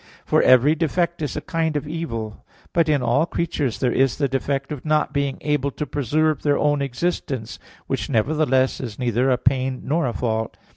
For every defect is a kind of evil. But in all creatures there is the defect of not being able to preserve their own existence, which nevertheless is neither a pain nor a fault.